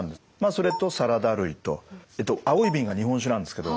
それとサラダ類と青い瓶が日本酒なんですけど。